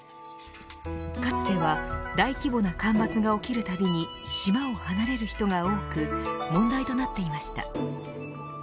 かつては大規模な干ばつが起きるたびに島を離れる人が多く問題となっていました。